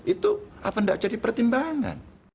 itu apa tidak jadi pertimbangan